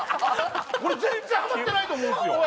俺全然ハマってないと思うんですよ。